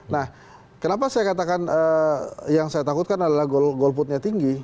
nah kenapa saya katakan yang saya takutkan adalah golputnya tinggi